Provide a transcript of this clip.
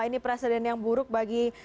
ini presiden yang buruk bagi